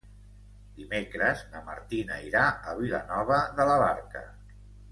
Dimecres na Martina irà a Vilanova de la Barca.